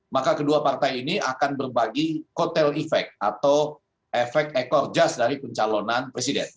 maka kedua partai ini akan berbagi kotel efek atau efek ekor jas dari pencalonan presiden